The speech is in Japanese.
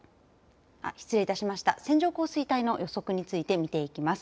失礼いたしました線状降水帯の予測について見ていきます。